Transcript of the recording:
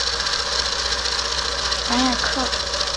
戈雅克。